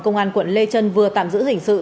công an quận lê trân vừa tạm giữ hình sự